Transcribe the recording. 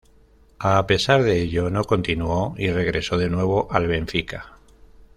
A pesar de ello, no continuo y regreso de nuevo al Benfica.